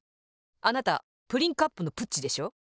あなたプリンカップのプッチでしょ？